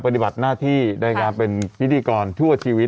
ปฏิบัติหน้าที่ในการเป็นพิธีกรทั่วชีวิต